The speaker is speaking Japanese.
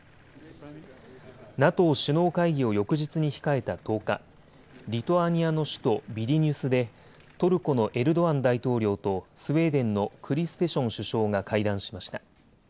ＮＡＴＯ首脳会議を翌日に控えた１０日、リトアニアの首都ビリニュスでトルコのエルドアン大統領とスウェーデンのクリステション首相が会談しました。